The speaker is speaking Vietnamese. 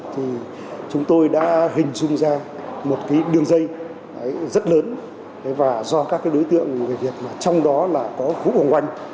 thì chúng tôi đã hình dung ra một cái đường dây rất lớn và do các cái đối tượng người việt trong đó là có vũ hoàng oanh